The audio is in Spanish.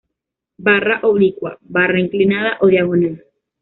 Barra oblicua, barra inclinada o diagonal